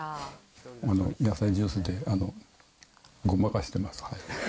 野菜ジュースでごまかしてます。